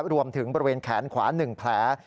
รวมถึงบริเวณแขนขวา๑แผล